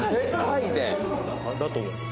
だと思います。